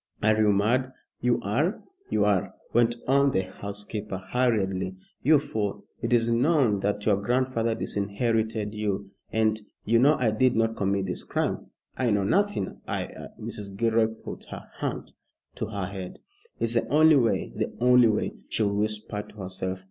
"Are you mad?" "You are, you are," went on the housekeeper, hurriedly, "you fool! It is known that your grandfather disinherited you, and " "You know I did not commit this crime." "I know nothing. I I" Mrs. Gilroy put her hand to her head. "It's the only way the only way," she whispered to herself.